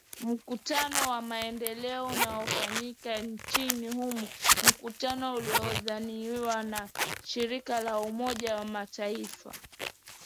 mkutano wa maendeleo unaofanyika nchini humo mkutano uliodhaminiwa na shirika la umoja wa mataifa